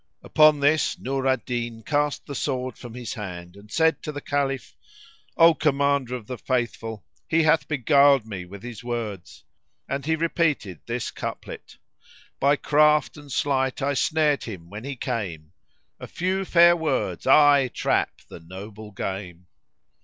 "[FN#78] Upon this Nur al Din cast the sword from his hand and said to the Caliph, "O Commander of the Faithful, he hath beguiled me with his words;" and he repeated this couplet, "By craft and sleight I snared him when he came; * A few fair words aye trap the noble game!"